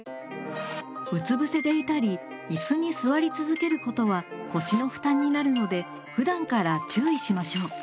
うつ伏せでいたり椅子に座り続けることは腰の負担になるのでふだんから注意しましょう。